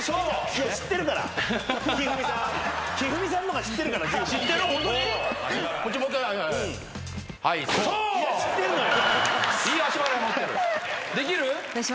いや知ってるのよ。